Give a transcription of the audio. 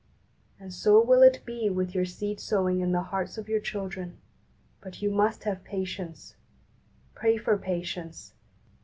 And so will it be with your seed sowing in the hearts of your children; but you must have patience. Pray for patience.